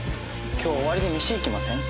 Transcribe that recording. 今日終わりに飯行きません？